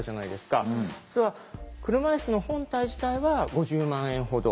実は車いすの本体自体は５０万円ほど。